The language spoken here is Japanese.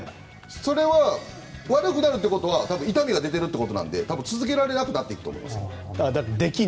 それは悪くなるということは多分、痛みが出ているということなので続けられなくなってくると思います。